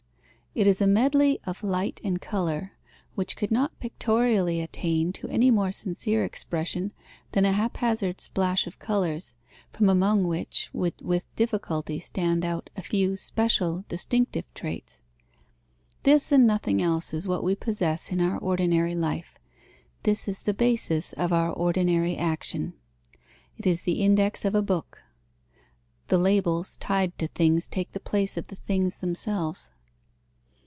It is a medley of light and colour, which could not pictorially attain to any more sincere expression than a haphazard splash of colours, from among which would with difficulty stand out a few special, distinctive traits. This and nothing else is what we possess in our ordinary life; this is the basis of our ordinary action. It is the index of a book. The labels tied to things take the place of the things themselves.